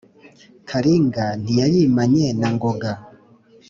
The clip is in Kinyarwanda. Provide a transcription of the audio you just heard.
karinga ntiyayimanye na ngoga.